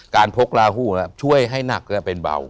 การพกลาหูนะครับช่วยให้หนักก็เป็นเบา